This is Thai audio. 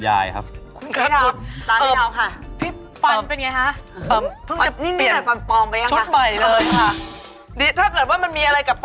มันแย่สุดบรรยายอะนะคะ